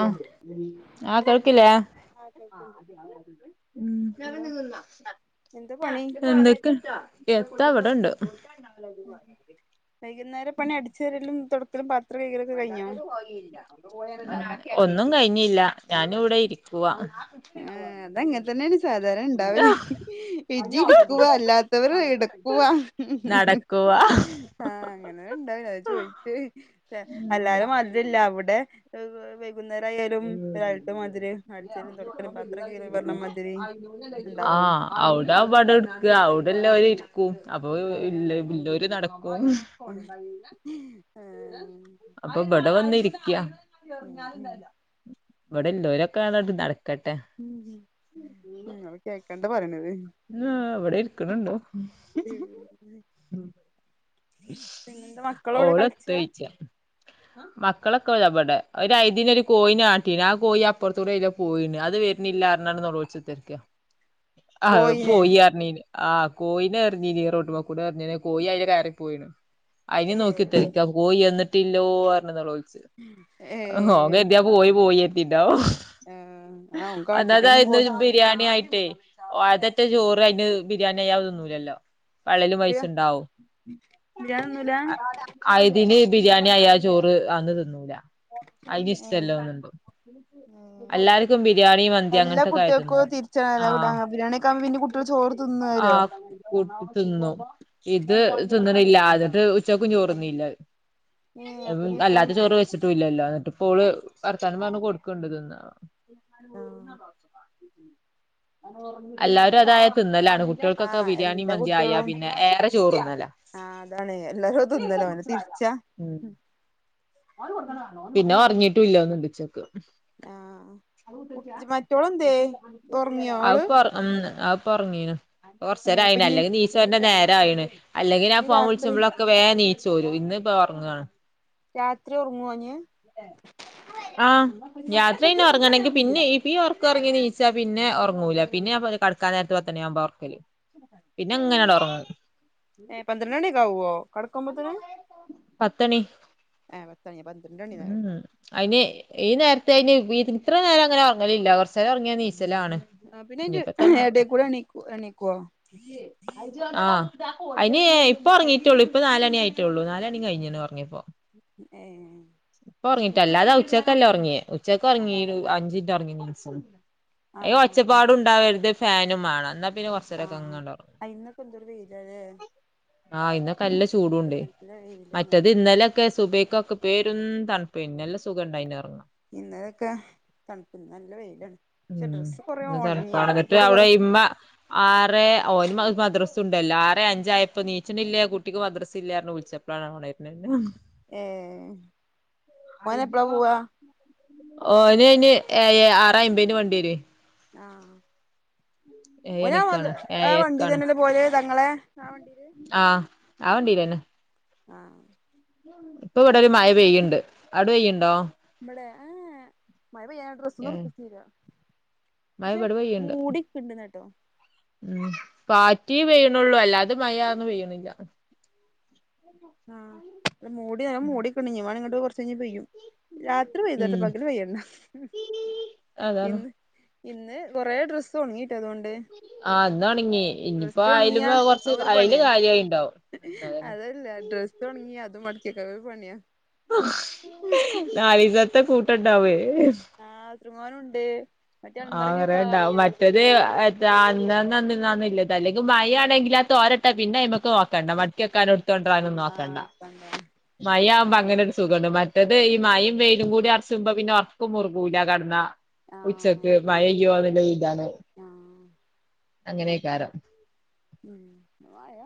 Hello ആഹ് കേൾക്കില്ലേ ആ കേൾക്ക്ണ്ട് എന്തോ എന്താ പണി [unintelligible] എത്ത ഇവിടെണ്ട് ഉമ് മ് വൈകുന്നേര പണി അടിച്ച് വാരലുംതൊടപ്പലുംപാ ഒന്നുംകഴിഞ്ഞില്ല ഞാനിവിടെ ഇരിക്കുവ ആ അതങ്ങനെതന്നെയാണ് സാധാരണഇണ്ടാവല് ഇജ്ജ് ഇരിക്കുവ അല്ലാ ഒര് റീട് പോവാ നടക്കുവാ ആ അങ്ങനെ ഉണ്ടാവില്ലചോയിച്ച് അല്ലാരുംമാതിരിഅല്ല അവിടെ വൈ വൈകുന്നേരയാലും ഒരാളക്ക് മതിരെ ആഴ്‌ചേലുംതൊറക്ക് ഇണ്ടാകും അഹ്‌ അവിടെആകുബാട് ഇട്ക്ക അവിടെല്ലോര് ഇരിക്കും അപ്പൊ വ ആഹ് ഇല്ലൊനടക്കും [unintelligible] ആഹ് അപ്പൊ ഇവിടെവന്ന്ഇരിക്കയാ ഉം ഉം ഇവിടെഎല്ലാരുംക്കെആളൊണ്ട് നടക്കട്ടെ ഉം ഇങ്ങൾ കേക്കണ്ടാ പറയണത് ഇന്ന് ഇവിടെഇരിക്ക്ണ്ട് പിന്നെ പിന്നെന്താമക്കളോടെകളിച്ചയാ ആഹ് മക്കളൊക്കെതവിടെ ഒരുആയിദിന ഒരു കോയിനെആട്ടിനെ ആ കോഴിഅപ്പുറത്തൂടെക്കെപോയിന്ന് അത് വ ഇന്നില്ലാരുന്നല്ലോ ഉച്ചത്തേക്ക് ആത് പോയിനെ പോയിഅറിഞ്ഞില് ആ കോയിനെ എറിഞ്ഞിനീ റോഡ്മേകൂടെ എറിഞ്ഞേനി കോയി അയിലെ കേറിപ്പോയിഅയിന് നോക്കികുത്തർ ക്യാ കോഴിയെന്ന്ട്ടില്ലോ അർണ് നൊളോൾ ച്ച്. ഏ അഹ് ഓൻകര്തി പോയിപോയികെര്തി ആഹ് ആ ഓൻ കാട്ടിട്ടൊന്നും ണ്ടാവുംഒന്നമത് ബിരിയാണിആയിട്ടേ അതൻ്റെചോറ് അതിന് ബിരിയാണി അയാതിന്നുലലോ പള്ളേല് പോയില്ല പൈച്ച്ണ്ടാവും ബിരിയാണിയൊന്നുല്ല ആയതിന് ബിരിയാണി ആയാ ചോറ് ആന്ന് തിന്നൂല അതിന് ഇഷ്ടല്ല ഓതമ്പ് ഉം അങ്ങനത്തൊക്കെ ആയി തിന്നും എല്ലാകുട്ടികൾക്കുംതിരിച്ച ആഹ് ബിരിയാണിക്കെ പ്പൊ പിന്നെ കുട്ടികള് ചോറ്തിന്നൊല്ലോ ആഹ് കൂട്ടി തിന്നു ഇത് തിന്നണില്ല അതെന്തേ ഉച്ചക്കും ചോർന്നില്ലത് ഏഹ് അത് അപ്പൊ ഇനിയെത്താ അല്ലാത്ത ചോറ് വെച്ചിട്ടും ഇല്ലല്ലോ എന്നിട്ട്പ്പോള് വർത്താനം പറഞ്ഞ് കൊടുക്കണണ്ട് തിന്നാൻ ആഹ് അല്ല എല്ലാവരും സാധാരണ അതായത് തിന്നലാണ് കുട്ടികൾക്കൊക്കെ ആഹ് ബിരിയാണി എല്ലാ മതി ആയാപിന്നെ ഏറെചോറ് തിന്നല ആ അതാണ് എല്ലാരുംഅത് തി ന്നല് ഓൻ തിരിച്ചാ ഉം പിന്നെ ഒർങീട്ടുംല്ലന്ന് തൊന്നിണ്ട് ആഹ് കുട്ടി മറ്റോളെന്തേ ഉറങ്ങിയോ അഹ് ഓള് പൊറ് ഹ് മ് ആപ്പാ ഒർങ്ങീനു ഏഹ് ഇപ്പ കുറചെരായിണ് ഇനി അല്ലെങ്കിൽ നീശോന്റെ നേരമായിണ് അല്ലെങ്കി രാത്രി ഞാൻപോൺവിളിച്ചുമ്പോള് വേഗം നീച്ചോരും ഇന്ന് ഇപ്പംഒറങ്ങാണ് രാത്രിഒറങ്ങൊഞ്ഞ് ആഹ് രാത്രിന്നെ ഒറങ്ങണെങ്കി പിന്നെ ഈ പീഒർകൊറങ്ങിനീച്ചാ പിന്നെ ഒർങ്ങൂല പിന്നെ അപ് കട് [unintelligible] പത്തുമണിയാകുമ്പോ ഒറക്കല് പിന്നെ [unintelligible] ഏഹ് പന്ത്രണ്ട് മണിയൊക്കാവുവോ കെടക്കുമ്പോത്തിന് പത്തണി ഏഹ് പത്തണിയ പ ഉം അയിന് ഈ നേരത്തയിന് ഇത്ര നേരങ്ങനെ ഒറങ്ങലില്ല കൊറച്ചേരം ഒർങ്ങിയാ നീച്ചലാണ് ആ പിന്നെ അയ്ന്റെ ഇഞ്ഞിപ്പോ എത്താണാവോ എടെകൂടെ എണീക്കു എണീക്കുവോ ആഹ് അയ്ന് ഇപ്പോ ഒറങ്ങീട്ടോള്ളൂ ഇപ്പോ നാലണി ആയിട്ടോള്ളൂ നാലണി കഴിഞ്ഞാണ് ഒറങ്ങിപ്പോ ഏഹ് ഇപ്പൊ ഒർങ്ങിട്ടല്ലാതെ ഉച്ചക്കല്ല ഉറങ്ങിയേ ഉച്ചക്ക് ഏഹ് ഉറങ്ങിരു അഞ്ചിൻറ്റ് ഒർങ്ങിനിസം എ ആഹ് ആഹ് ഒച്ചപ്പാടുണ്ടാവര്ത് ഫാനും മാണം എന്നാ പിന്നെ കൊർ ആഹ് ആയിന്നപ്പെന്തൊരു വെയിലാലേ ആഹ് ഇന്നൊക്കല്ല ചൂടുണ്ട് നല്ല വെയില് നല്ല മറ്റത് ചൂട് ഇന്നലെ ക്കെ സുബൈക്കൊക്കെ പേരുന്തണ്പ്പേനു നല്ല സുഖംണ്ടായിനി ഒർങ്ങ ഇന്നതക്കെ തണുപ്പ്ന്ന് നല്ല വെയിലാണ് പഷേ ഉം ഡ്രസ്സ് കൊറേ ഇന്ന് ഒണങ്ങി തണുപ്പാണ് എന്നിട്ട് അതാണ്ടിപ്പത് കൊറ [unintelligible] ആറെ ഓന് മദ്രസ് ഉണ്ട് ല്ലാറെ അഞ്ചായപ്പൊ നീച്ചനില്ലേ കുട്ടിക്ക് മദ്രസ ഇല്ലാരന്ന് വിളിച്ച പ്പളാണ് ഒണരണേ നാ ഏഹ് ഓനെപ്പളാ പോവാ ഓന് അയ്ന് ഏഴ് ആറബ്ബതിന് വണ്ടി വരുവേ ആഹ് ഓഞാൻ ഓൽത് ഏഴണിക്കാണ് ആ വണ്ടി ഏഴരക്കാണ് തന്നെല്ലെ പോവല് തങ്ങളെ ആ വണ്ടീയില് ആഹ് ആ വണ്ടീലെന്നെ ആഹ് ഇപ്പൊവിടൊരു മഴ പെയ്യിണ്ട് അവിടെയ്യിണ്ടോ ഇബടെ ഏഹ് മഴ പെയ്യി ഏഹ് ഡ്രസ്സൊന്നിർതിട്ടീല മഴ പക്ഷെ ഇവിടെ പെയ്യ്ണ്ട് മൂടി ഇണ്ടന്ന് കേട്ടോ ഉം കാറ്റിയേ പെയ്യണുള്ളൂ അല്ലാതെ മഴന്നും പെയ്യണില്ല ആഹ് മൂടി മൂടിക്കണ്ട് ഇനിവാണേ ഇങ്ങട്ട് കൊറച്ചയ്ഞ് പെയ്യും രാ ത്രി പെയ്തോട്ടെ ഉം പകല് പെയ്യണ്ട അതാണ് ഇന്ന് ഇന്ന് കൊറേ ഡ്രസ്സ് ഒൺങ്ങിയിട്ടാ അതോണ്ട് ആഹ് ഇന്നൊൺങ്ങി ഇനിയിപ്പോ ഒണങ്ങിയാ അയലുമ്മ കൊർച്ച് അത് ഒരു അയല് പണിയാ കാലിയായിണ്ടാവും അതല്ല ഡ്രസ്സ് ഒൺങ്ങിയ അതുമ്മടക്കിയെക്കലൊര് പണിയാ നാലീസത്തെ കൂട്ടണ്ടാവ്‌വേ ആഹ് ത്രങ്ങാനുണ്ട് മറ്റേ ആഹ് അമ്മറക്കെ കൊറേ ഉണ്ടാവും കാലിയായി മറ്റത് അന്നന്നന്ന്നാണ് ള്ളത് അല്ലെങ്കിൽ മഴയാണെങ്കില് അ തോരട്ടെ പിന്നെ അയ്മ്മക്ക് നോക്കണ്ട മ ക്കക്കാനു എട്ത്തോണ്ടോവാനും നോക്കണ്ട പണ്ട് മയായാവുമ്പോ അങ്ങനൊരു സുഖണ്ട് മറ്റേത് ഈ മയും വെയിലും കൂടി അർച്ചുമ്പം പിന്ന ഒർക്ക് മുർകൂല കണ്ടാ ആഹ് ഉച്ചക്ക് മഴയ്യൊന്ന്ള്ള ഇതാണ് ആഹ് അങ്ങനെകാരം മ് മയ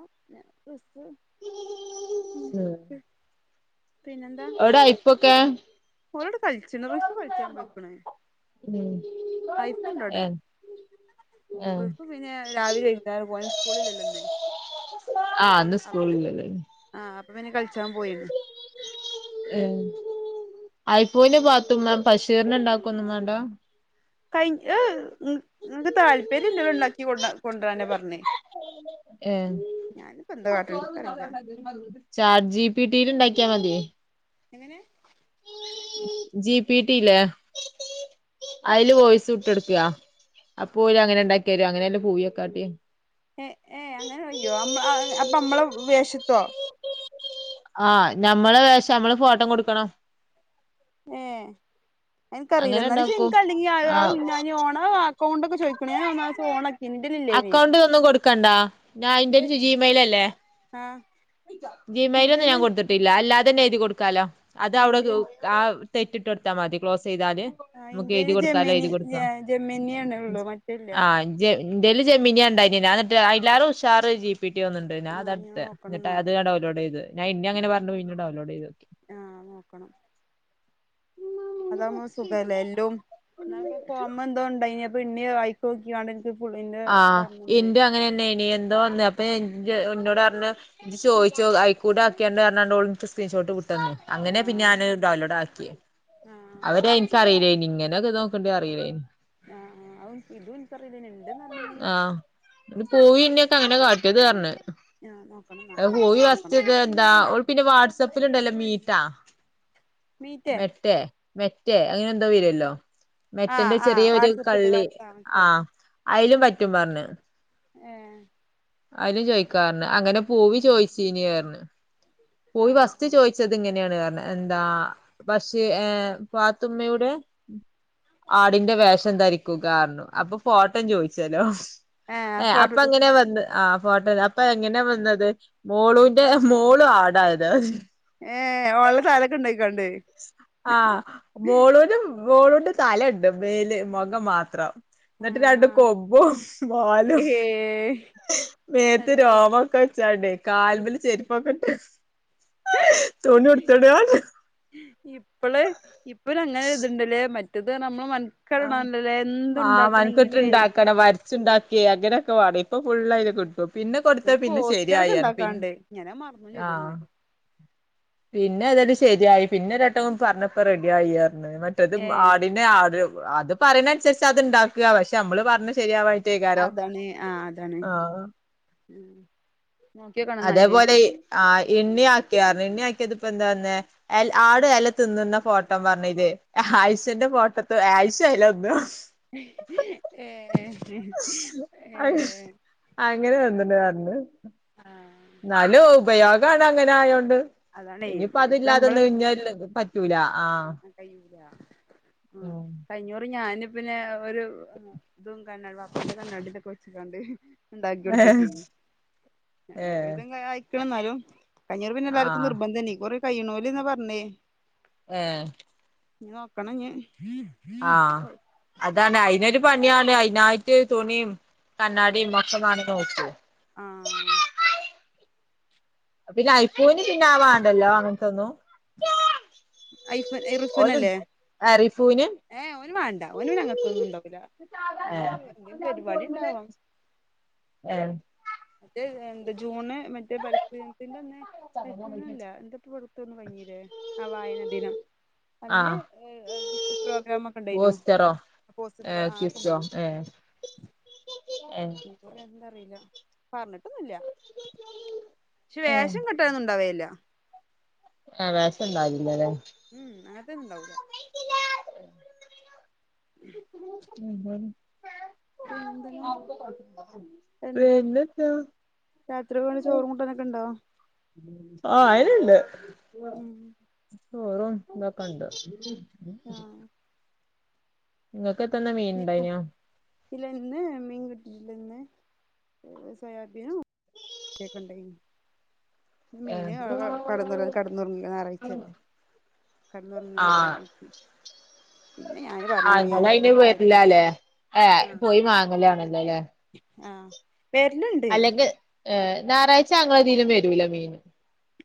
ൻക്ശ്ത് മ് പിന്നെന്താ എവിടായിപ്പൊക്കെ ഓളോട് കളിച്ചിണ് റിഷു കൾച്ചാൻ പോയിക്ക്ണ് ഉം ഹൈഫുണ്ടവിടെ ഏഹ് ഏഹ് റിഫു പിന്നെ രാവിലെ വെരും വേറെ പോവാൻ സ്കൂളില്ലല്ലോന്ന് ആഹ് ഇന്ന് സ്കൂളില്ലല്ലോലെ ആഹ് അപ്പ പിന്നെ കളിച്ചാൻ പോയിണ്ണ് ഏഹ് ആയിഫോണ്ന് പാത്തുമ്മാ ബഷീറിനെ ണ്ടാക്കൊന്നും വേണ്ട കൈ ഏഹ് ങ്ങക്ക് താല്പര്യള്ളത് ഇണ്ടാക്കി കൊ കൊണ്ടരാനാ പറഞ്ഞ് ഉ [unintelligible] ഞാനിപ്പെന്താ കാട്ട്ണ് ഇൻക്കറീല ചാറ്റ് ജി പി ടി ല് ഇണ്ടാക്കിയാ മതിയേ എങ്ങനെ? ജി പി ടി ല്ലേ അയില് വോയിസ് വി ട്ടോടുക്ക അപ്പോ ഓര് അങ്ങനെണ്ടാക്കിയരും അങ്ങനെല്ല പൂവിയോക്കാട്ട്യേ ഏഹ് ഏഹ് അങ്ങനെ കയ്യോ? അമ്മളാ അഹ് അപ്പ അമ്മളാ വേഷത്തൊ ആഹ് നമ്മള് പക്ഷേ ഞമ്മള് ഫോട്ടോം കൊടുക്കണം ഏഹ് എന്ക്കറീല അങ്ങനെ ന്നാലും പക്ഷേ ഇണ്ടാക്കും ഇന്ക് അല്ലെങ്ങി അഹ് അഹ് ആഹ് ഞാന് ഓണ് അക്കൗണ്ടൊക്കെ ചോയി പ്പ ഞാൻ ഒരു പ്രാവശ്യം ഓണാക്കിന് ഇന്റേലില്ലേനി. അക്കൗണ്ട് ഒന്നും കൊടുക്കണ്ടാ ഞാൻ ഓക്കേ ആഹ് ജി മെയിലൊന്നും ഞാൻ ഇന്റേല് കൊടുത്തിട്ട് കിട്ടില്ല അല്ലാതെന്നെ എഴുതി കൊടുക്കാലോ അത് അവിടെതു ഇന്റേല് ആ തെറ്റിട്ട് കൊടുത്താമതി ക്ലോസിയ്താല് ആ ഇന്റെയില് ജമ്നി ജമ്നിയാണ് ആഹ് ഇജ്ജ് ഇന്റേല് ജെമിന്യാണ്ടായിന് ഞാന്നിട്ട് അയിലാറ് ഉഷാറ് ജീ പി ട്ടി തോന്ന്ണ്ട്. ഞാ ആഹ് അതാ ഇനി ഇടുത്തേ. നോക്കണം ഇന്നട്ട് എന്നാ അത് ഡൗലോഡേയ്ത് ഞാൻ ഇന്നി അങ്ങനെ പറഞ്ഞു പിന്നെ ഡൗൺലോഡ് ചെയ്തോക്കി ആഹ് നോക്കണം അതാവുമ്പോ സുഖല്ലേ? എല്ലോം ന്നാളിപ്പോ പോമ്പോ എന്തോ ഇണ്ടായിനി. അപ്പോ ഇന്നിം ആയിക്കോക്ക്യാണ്ട് [unintelligible] ആഹ് ഇന്റെ അങ്ങനെന്നേയ്ണി എന്തോ ഒന്ന് അപ്പ ഞാൻ ഞ്ഞ് ഇന്നോടറഞ്ഞ് ഇജ്ജ് ചോദിച്ചോ അയിക്കൂടെ ആക്കിയാണ്ട് പറഞ്ഞോണ്ടോളിനിക്ക് സ്ക്രീൻഷോട്ട് വുട്ടെന്ന് അങ്ങനെ ആഹ് പിന്നത് ഡോലോഡ് ആക്ക്യേ ആഹ് അതോന്നിൻക്ക് അറീല്ലേനി ഇങ്ങനേ ഒക്കെ ഇത് നോക്ക്ണ്ട്ന്ന് അറീലേനി ആഹ് അഹ് അതും ഇതും ഇൻക്കറീലേനി ണ്ട്ന്ന് അറിഞ്ഞിനി അത് പോയി ഇന്ന്യൊക്കെ അങ്ങനെ കാട്ടിയത് പറഞ്ഞ് ആഹ് നോക്കണം ഇന്നാ അത് അവളോട് പൂവി ചോയിച്ചോക്കണം ഫസ്റ്റ്‌ത്ത എന്താ ഓള് പിന്നെ വാട്ട്സാപ്പിലുണ്ടല്ലോ മീറ്റാ മീറ്റേ മെട്ടേ മെറ്റേ അങ്ങനെ എന്തോ വര്വാല്ലോ ആഹ് മെറ്റന്റെ ആഹ് ചെറിയൊരു വാട്സപ്പില് കള്ളി. വാട്സ ആഹ് ആ മനസ്സിലായി അയിലും പറ്റും പറഞ്ഞ് ഏഹ് അയിലും ചോയിക്കാപറഞ്ഞ് അങ്ങനെ പൂവി ചോയിച്ചിനി പറഞ്ഞ് പൂവി ആഹ് ഫസ്റ്റ് ആഹ് ചോയി വച്ചത് ഇങ്ങനെയാണ് പറഞ്ഞ് എന്താ പക്ഷേ ഏഹ് പാത്തുമ്മയുടെ ആടിന്റെ വേഷം ധരിക്കുകാ പറഞ്ഞു അപ്പ ഫോട്ടം ചോയിച്ചല്ലോ ആഹ് ഏഹ് അപ്പോ ഫോട്ടോട്ട് എങ്ങനെ വന്ന് ആ ഫോട്ടോഗ്രാ ഇപ്പോ എങ്ങനെ വന്നത് മോളുന്റെ മോളു ആടായത് ഏഹ് ഓൾടെ താലൊക്കെ ഇണ്ടായിക്കോണ്ടോയി ആഹ് മോളൂനും മോളൂന്റെ തലണ്ട്. മേല് മൊഖം മാത്രം ഇന്നട്ട് രണ്ട് ആഹ് കൊമ്പും വാലും ഏഹ് മേത്ത് അല്ലേ രോമൊക്കെ വെച്ചാണ്ടെ കാല്മ്പ് ല് ചെരിപ്പൊക്കെട്ട് തുണി ഉട്ത്തുങ്ങാണ്ട് [unintelligible] ഇപ്പള് ഇപ്പൊരങ്ങനെ ഇത്ണ്ട്ല്ലേ മറ്റേത് നമ്മള് മ [unintelligible] ആ ണ്ട്ല്ലേ എന്തുണ്ടാക്കണെങ്കിലു ഏയ് ച്ച് ണ്ടാക്കി അങ്ങനൊക്കെ വാണേയ് ഇപ്പോ ഫുള്ളയില് കിട്ടും. പിന്ന കൊടുത്ത പിന്നെ പോസ്റ്ററൊക്കെ ശെരിയായിറഞ്ഞ് പി ഉണ്ടാക്കാണ്ട് ഞാനത് മറന്നും ആഹ് ചെയ്തിരുന്നാല് പിന്നെ ഏതാലും ശര്യായി. പിന്ന ഒരേട്ടം പറഞ്ഞപ്പ റെഡി ആയിറഞ്ഞ് ട്ടത് ഏ ആടിനെ ആട് അത് പറയിണേ അന്സരിച്ച് അത്ണ്ടാക്ക. പക്ഷേ അമ്മള് പറഞ്ഞ ശരിയാവാ അതാണ് ആഹ് അതാണ്. ഉം. നോക്കിയോക്കണംന്നാല് അതേപോലെ ആ എണ്ണി ആക്കിയാർന്ന്. എണ്ണി ആക്കിയതിപ്പന്താ വന്നേ? എ ൽ ആട് എല തിന്ന്ന്ന ഫോട്ടോ പറഞ്ഞിലെ ഹ ആയിഷന്റെ ഫോട്ട ത് [unintelligible] ഹ് [unintelligible] ഏഹ് സ് അഹ് അങ്ങനെ [unintelligible] [unintelligible] ന്നാലും ഉപയോഗാണ് അങ്ങനെ ആയോണ്ട് അതാണേ ഇഞ്പ്പോ ഇത് നമ്മള് അതില്ലാതോന്ന് ഞ്ഞാല്ല് പ ട്ടു ല ആഹ മ്ഹ് കയിഞ്ഞുറി ഞാന് പിന്നെ ഒരു തും കണ്ണാ പാപ്പാന്റെ കണ്ണാടിതോക്കെ വെച്ചിക്കാണ്ട് ണ്ടാക്കി ഉം കൊടുതക്കി. ഏ ഒരുവിധം അയിക്ണ് ന്നാലും [unintelligible] പിന്നെ ആ [inaudible] നിർബന്ധം നെക്കും കൊറെ കയ്യ്നോല് ന്നാ പർഞ്ഞെ ഏഹ് നോക്കണ ഞ്ഞെ ആഹ് അതാണ് അയിനൊരു പണിണ് അയിനായിറ്റ് തുണിയും കണ്ണാടിയും [unintelligible] [unintelligible] ആ പിന്നെ ഐഫുന് പിന്നെ ആവാണ്ടല്ലോ അങ്ങനത്തെന്നും ഐഫു ഓന് ഇർഫുനല്ലേ റിഫൂന് ഏ ഓന് വ ഒന് പിന്നെ അങ്ങത്തൊന്നും ണ്ടാകൂല ഏ എന്തേ പരിപാടി ണ്ടാവാം ഏഹ് മറ്റേ ന്താ ജൂണ് മറ്റേ പരിസ്ഥിദിന ത്തിന്റന്ന് പ്രെശനല്ല എന്തപ്പൊ പട്തോന്ന് കൈഞ്ഞി ആ വായന ദിനം. ആ അന്ന് എ ഏ കിസ് പ്രോഗ്രാമോക്കെ ണ്ടായിനോ? ബൂസ്റ്ററോ ഏ [unintelligible] [inaudible] [inaudible] [unintelligible] എന്തറില്ല പറഞ്ഞിട്ടൊന്നുല്ല ഏ ശേഷം ക ന്നുണ്ടാവേല്ല. എ വേഷം ണ്ടാവല്യലെ? മ് അങ്ങത്തെണ്ടാവും. [unintelligible] [unintelligible] പിന്നെന്തിനാ [unintelligible] പിന്നെന്താ? രാത്രി വേണ്ട ചോറു കൂട്ടാന്നൊക്കെ ണ്ടോ? ഓഹ് അയിന്ണ്ട് ഉം ചോറും തോക്കെണ്ട്. ആഹ് ങ്ങക്കെ ത്തന്ന് മീൻ ണ്ടായിനോ? ഇല്ലന്ന് മീൻകിട്ടില്ലന്ന് സോയാബീനും കെ കേ ണ്ടേയ് നു മീനു ആ കടന്നൊറ കെടന്നോറങ്ങാ ഞാറായ്ച്ചല്ലേ. കെടന്നൊറങ്ങി നേരെ ആ എണീറ്റ്. പിന്നെ ഞാന് ആ പർണോലെ ഞാൻ ഇങ്ങള് ഒറ്റ അയിന് കുല്ലേ വരില്ലാല്ലേ ഏ പോയി മാങ്ങലാണല്ലോ ലെ? ആഹ് വേര്ന് അല്ലെങ്ക് ഏഹ് ഞായറാഴ്ച ങ്ങളതിലും വെരൂല മീന്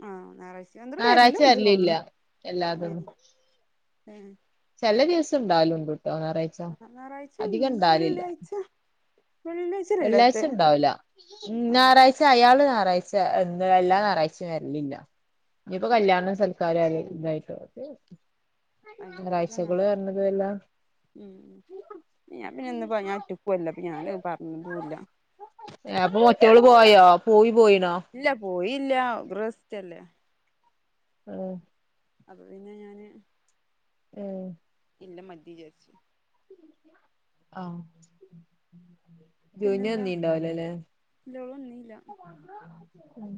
ആഹ ഞായറാഴ്ച [unintelligible] ഞായറാഴ്ച വരില്ണ്ട് വരലില്ല തോന്ന്ണ് ആ എല്ലാതൊന്നും ഏ ചെല ദിവസം ണ്ടാവാലുണ്ട് ട്ടോ ഞാറാ അ ഞായറാഴ്ചണ്ട് വെള്ളിയാഴ്ച വെള്ളി വെള്ളിയാഴ്ച ണ്ടാവുല ഞായറാഴ് ച് അയാള് ഞാറായ്ച്ച എന്ത എല്ലാ ഞായറാഴ്ചിമ് വെര്ലില്ല ഇനിപ്പോ കല്യാണ സ കാര്യല് [unintelligible] എല്ലാം [inaudible] ഉം ഉം ഞാൻ പിന്നെ ഒന്ന്റ്റക്കുല്ല അപ്പൊ ഞാൻ അത്പറഞ്ഞതുംല്ല അപ്പൊ മറ്റോള് പോയോ പൂവി പോയിനോ ഇല്ല പോയില്ല ഓൾക്ക് റസ്റ്റ് അല്ലെ ആഹ് അപ്പൊ പിന്നെ ഞാന് ഏഹ് പിന്നെ മതി വിചാരിച്ചു ആഹ് [inaudible] ജുനു പിന്നെന്താ വന്നിണ്ടാവുലല്ലേ ഇല്ല ഓള് വന്നീല്ല ഉം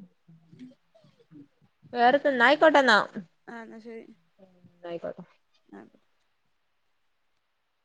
വേറെന്താ ന്നയിക്കോട്ടന്നാ ഉം ആഹ് എന്ന ആയിക്കോട്ടെ അതെ